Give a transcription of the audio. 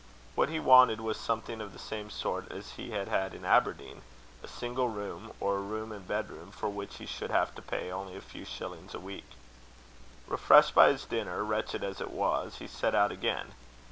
What he wanted was something of the same sort as he had had in Aberdeen a single room, or a room and bed room, for which he should have to pay only a few shillings a week. Refreshed by his dinner, wretched as it was, he set out again.